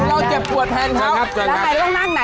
นั่งไงนั่งนี้ไง